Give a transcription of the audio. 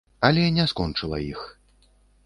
Але не скончыла іх.